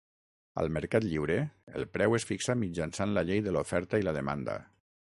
Al mercat lliure, el preu es fixa mitjançant la llei de l'oferta i la demanda.